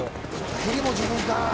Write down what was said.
ヘリも自分か。